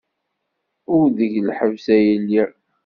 Ur deg lḥebs ay lliɣ.